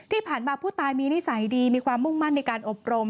ที่ผ่านมาผู้ตายมีนิสัยดีมีความมุ่งมั่นในการอบรม